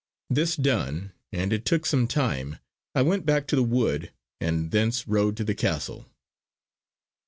This done, and it took some time, I went back to the wood, and thence rode to the castle.